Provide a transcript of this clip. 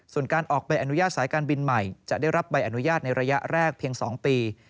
ส่วนการออกใบอนุญาตสายการบินใหม่จะได้รับใบอนุญาตในระยะแรกเพียง๒ปี